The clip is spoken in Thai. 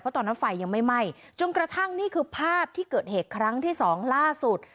ตอนนั้นไฟยังไม่ไหม้จนกระทั่งนี่คือภาพที่เกิดเหตุครั้งที่สองล่าสุด